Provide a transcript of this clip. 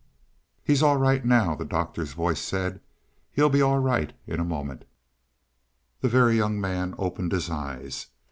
"He's all right now," the Doctor's voice said. "He'll be all right in a moment." The Very Young Man opened his eyes.